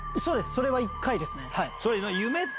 それは１回ですね。